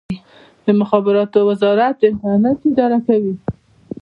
د مخابراتو وزارت انټرنیټ اداره کوي